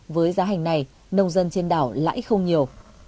với giá hành này nông dân trên đảo lãi không nhiều